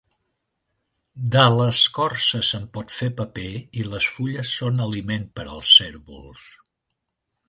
De l'escorça se'n pot fer paper i les fulles són aliment per als cérvols.